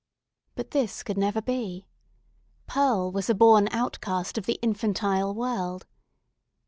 But this could never be. Pearl was a born outcast of the infantile world.